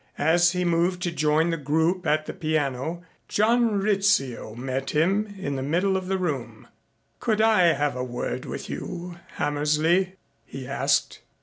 As he moved to join the group at the piano John Rizzio met him in the middle of the room. "Could I have a word with you, Hammersley?" he asked.